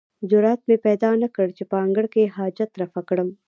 جرئت مې پیدا نه کړ چې په انګړ کې حاجت رفع کړم.